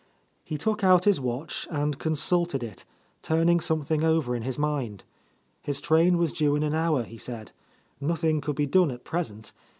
He took out his watch and consulted it, turning something over in his mind. His train was due In an hour, he said. Nothing could be done at present.